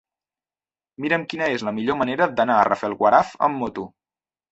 Mira'm quina és la millor manera d'anar a Rafelguaraf amb moto.